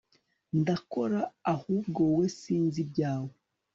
ndakora ahubwo wowe sinzi ibyawe